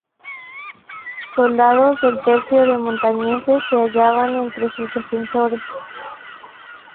Soldados del Tercio de Montañeses se hallaban entre sus defensores.